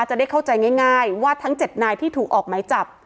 จะได้เข้าใจง่ายง่ายว่าทั้งเจ็ดนายที่ถูกออกไม้จับ